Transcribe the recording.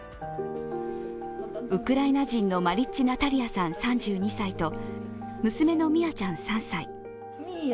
ウクライナ人のマリッチ・ナタリアさん、３２歳と娘のミアちゃん、３歳。